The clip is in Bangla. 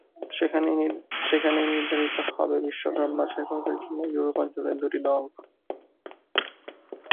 সেখানেই নির্ধারিত হবে বিশ্বকাপ বাছাইপর্বের জন্য ইউরোপ অঞ্চলের দুটি দল।